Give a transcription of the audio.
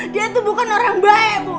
dia tuh bukan orang baik bu